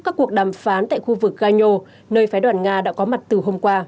các cuộc đàm phán tại khu vực gano nơi phái đoàn nga đã có mặt từ hôm qua